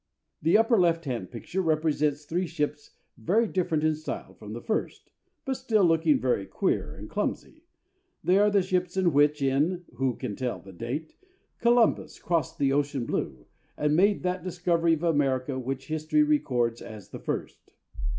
The upper left hand picture represents three ships very different in style from the first, but still looking very queer and clumsy. They are the ships in which, in who can tell the date? "Columbus crossed the ocean blue," and made that discovery of America which history records as the first.